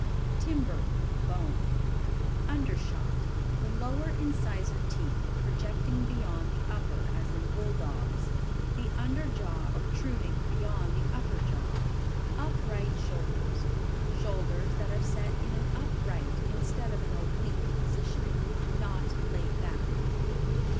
Timber. Bone. Undershot. The lower incisor teeth, projecting beyond the upper, as in Bulldogs. The under jaw protruding beyond the upper jaw. Upright Shoulders. Shoulders that are set in an upright, instead of an oblique position; not laid back.